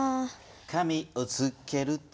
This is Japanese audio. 「紙をつけると」